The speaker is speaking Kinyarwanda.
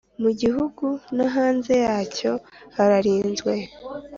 mu Gihugu no hanze yacyo hararinzwe